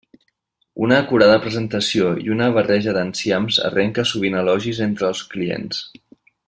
Una acurada presentació i una barreja d'enciams arrenca sovint elogis entre els clients.